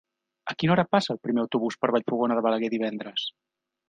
A quina hora passa el primer autobús per Vallfogona de Balaguer divendres?